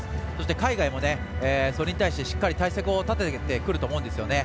海外もそれに対してしっかり対策を立ててくると思うんですよね。